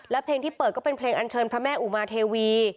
และเพลงที่เปิดก็เป็นเพลงอันเชิญพระแม่อุมาเทวี